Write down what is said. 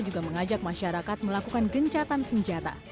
juga mengajak masyarakat melakukan gencatan senjata